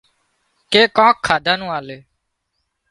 ڪي ڪانڪ کاڌا نُون آلي